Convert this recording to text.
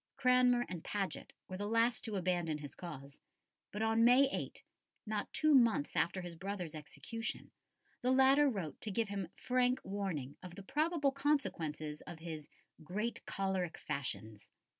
Cranmer and Paget were the last to abandon his cause, but on May 8 not two months after his brother's execution the latter wrote to give him frank warning of the probable consequences of his "great cholerick fashions."